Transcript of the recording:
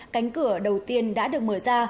cánh cửa đầu tiên đã được mở ra